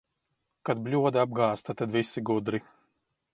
Kad bļoda apgāzta, tad visi gudri.